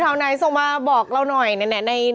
หรือเลิกงานฝนจะตก